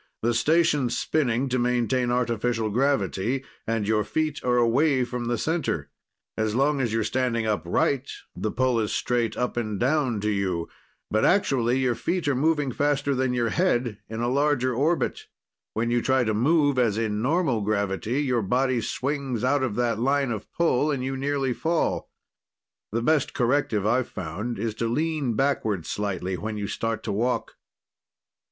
"The station's spinning to maintain artificial gravity, and your feet are away from the center. As long as you're standing upright, the pull is straight up and down to you, but actually your feet are moving faster than your head, in a larger orbit. When you try to move, as in normal gravity, your body swings out of that line of pull and you nearly fall. The best corrective, I've found, is to lean backward slightly when you start to walk."